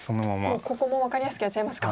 もうここも分かりやすくやっちゃいますか。